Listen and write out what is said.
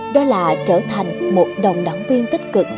đó là trở thành một đồng đảng viên tích cực